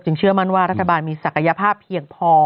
เชื่อมั่นว่ารัฐบาลมีศักยภาพเพียงพอ